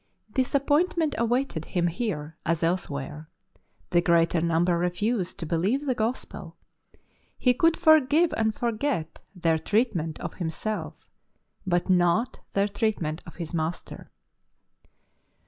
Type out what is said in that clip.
Disappointment awaited him here as else where. The greater number refused to be lieve tire Gospel. He could forgive and forget ii8 LIFE OF ST. PAUL tlieir treatment of himself, but not their treatment of his Master.